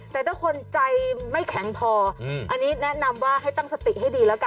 แต่ถ้าคนใจไม่แข็งพออันนี้แนะนำว่าให้ตั้งสติให้ดีแล้วกัน